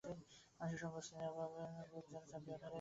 মানুষের সঙ্গ এবং স্নেহের অভাব আজ তাহার বুক যেন চাপিয়া ধরিল।